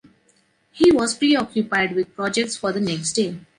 He was preoccupied with projects for the next day.